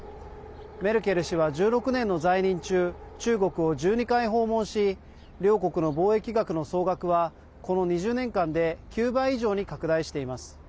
メルケル氏は１６年の在任中中国を１２回訪問し両国の貿易額の総額はこの２０年間で９倍以上に拡大しています。